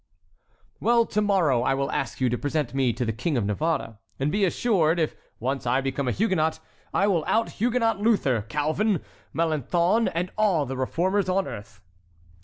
"Well, to morrow I will ask you to present me to the King of Navarre and, be assured, if once I become a Huguenot, I will out Huguenot Luther, Calvin, Melanchthon, and all the reformers on earth!"